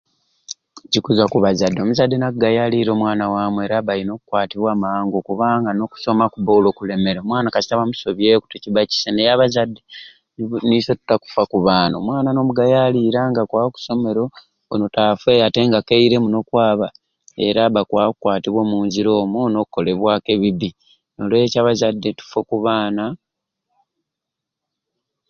Kikuzwa kubazadde omuzadde nagayalira omwana wamwei era abba ayina okwatibwa mangu kubanga nokusoma kuba olwo kulemere, omwana kasita bamusobyeeku ticiba kisai naye abazadde nibo niswe tuta kuffa kubaana omwana nomugayalira nga akwaba okusomero we notaffeyo atenga akaire muno okwaba era abba akwakwatibwa omunzira omwo nokolebwaku ebibi nolwekyo abazadde tuffe okubaana.